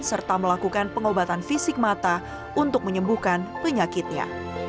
serta melakukan pengobatan fisik mata untuk menyembuhkan penyakitnya